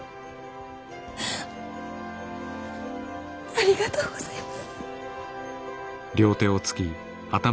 ありがとうございます。